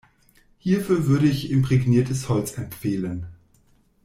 Hierfür würde ich imprägniertes Holz empfehlen.